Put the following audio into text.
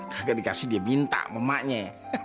kagak dikasih dia minta memaknya